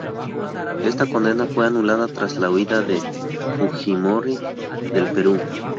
Esta condena fue anulada tras la huida de Fujimori del Perú.